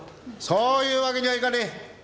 そういうわけにはいかねぇ。